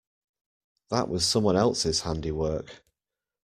That was someone else's handy work.